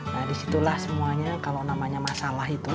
nah disitulah semuanya kalau namanya masalah itu